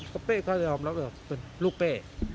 ก็เป้ก็ยอมรับว่าเป็นลูกเป้